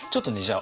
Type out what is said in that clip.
あ！